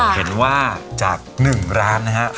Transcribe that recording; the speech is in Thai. เห็นว่าจาก๑ร้านนะฮะ